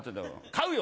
買うよ！